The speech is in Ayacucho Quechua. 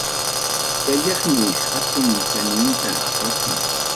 Llalliqmi hatun chaninta apakun.